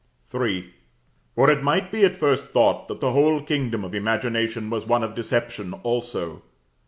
III. For it might be at first thought that the whole kingdom of imagination was one of deception also.